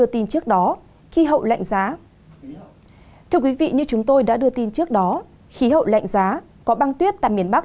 thưa quý vị như chúng tôi đã đưa tin trước đó khí hậu lạnh giá có băng tuyết tại miền bắc